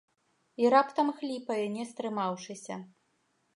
І раптам хліпае, не стрымаўшыся.